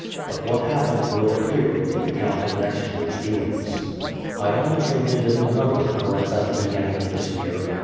But what happened will appear in the account of next year's doings. I almost omitted another occurrence at the beginning of this year.